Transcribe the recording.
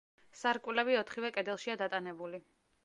სარკმლები ოთხივე კედელშია დატანებული.